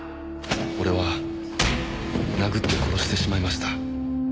「俺は殴って殺してしまいました」